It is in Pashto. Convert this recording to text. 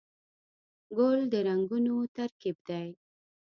ګل د رنګونو ترکیب دی.